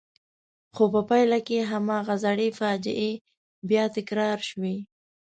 خو په پایله کې هماغه زړې فاجعې بیا تکرار شوې.